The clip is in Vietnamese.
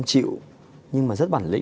chị bảo là hãy trả lời tôi